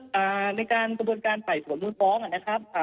คือในการกระบวนการไฝ่ศวนมื้อฟ้องอะนะครับ